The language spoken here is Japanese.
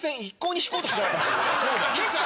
そうだよ。